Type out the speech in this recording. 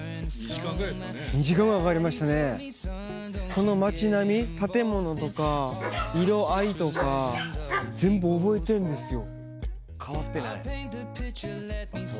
この街並み建物とか色合いとか全部覚えてんですよ。